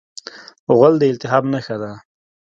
غول د التهاب نښه ده.